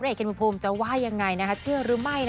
ให้เคณพูภูมิจะว่ายังไงนะครับเชื่อหรือไม่